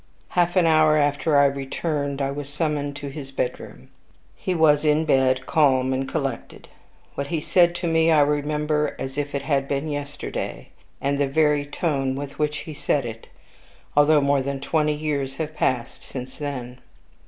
Half an hour after I returned, I was summoned to his bedroom. He was in bed, calm and collected. What he said to me I remember as if it had been yesterday, and the very tone with which he said it, although more than twenty years have passed since then.